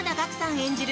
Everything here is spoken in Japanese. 演じる